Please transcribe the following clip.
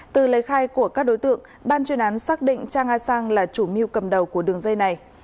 từ lời khai của các đối tượng ban chuyên án xác định trang a sang là chủ mưu cầm đầu của đường dây này